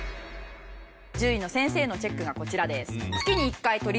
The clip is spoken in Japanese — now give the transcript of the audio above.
獣医の先生のチェックがこちらです。